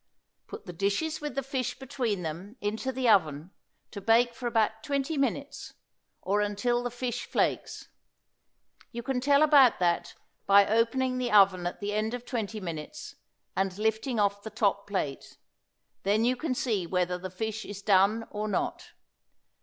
Put the dishes with the fish between them into the oven to bake for about twenty minutes, or until the fish flakes. You can tell about that by opening the oven at the end of twenty minutes, and lifting off the top plate; then you can see whether the fish is done or not.